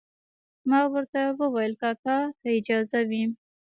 ما ورته وویل کاکا که اجازه وي.